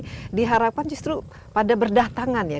jadi diharapkan justru pada berdatangan ya